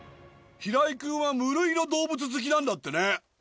平井君は無類の動物好きなんだってね。